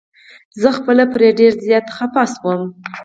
زه خپله پرې ډير زيات خفه شوم.